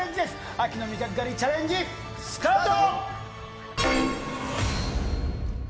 秋の味覚狩りチャレンジ、スタート。